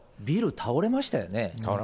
ビル、倒れましたよね。